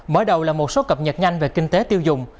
mở đầu là một số cập nhật nhanh về kinh tế tiêu dụng